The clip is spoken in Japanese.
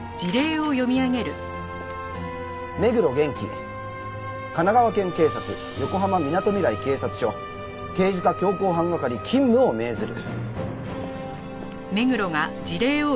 「目黒元気」「神奈川県警察横浜みなとみらい警察署刑事課強行犯係勤務を命ずる」